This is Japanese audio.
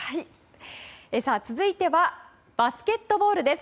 続いてはバスケットボールです。